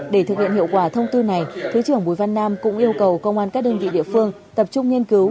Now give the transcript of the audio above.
để thực hiện hiệu quả thông tư này thứ trưởng bùi văn nam cũng yêu cầu công an các đơn vị địa phương tập trung nghiên cứu